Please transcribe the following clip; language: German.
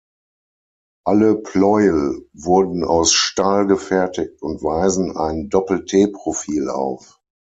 Alle Pleuel wurden aus Stahl gefertigt und weisen ein Doppel-T-Profil auf.